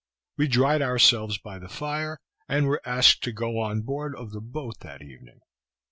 We dried ourselves by the fire, and were asked to go on board of the boat that evening.